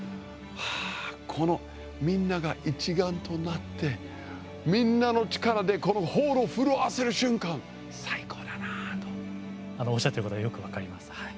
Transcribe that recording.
ああ、この、みんなが一丸となって、みんなの力でこのホールを震わせる瞬間最高だなあと。おっしゃってることがよく分かります、はい。